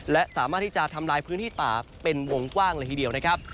และสามารถที่จะทำลายพื้นที่ป่าเป็นวงกว้างเลยทีเดียวนะครับ